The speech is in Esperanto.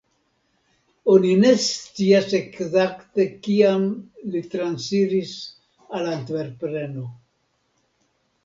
Oni ne scias ekzakte kiam li transiris al Antverpeno.